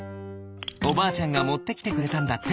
おばあちゃんがもってきてくれたんだって。